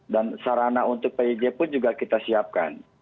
dan sarana untuk pej pun juga kita siapkan